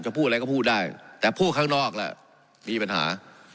พูดอะไรก็พูดได้แต่พูดข้างนอกล่ะมีปัญหา